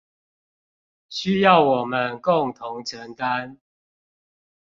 需要我們共同承擔